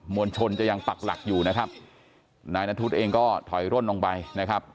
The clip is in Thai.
วลชนจะยังปักหลักอยู่นะครับนายนัทธุเองก็ถอยร่นลงไปนะครับ